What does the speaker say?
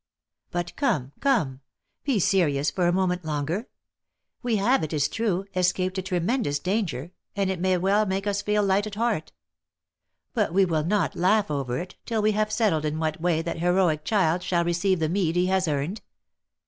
But come, come — be serious for a moment longer : we have, it is true, escaped a tremendous danger, and it may well make us feel light at heart ; but we will not laugh over it, till we have settled in what way that heroic child shall receive the meed he has earned.